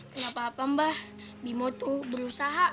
gak apa apa mbah bimo tuh berusaha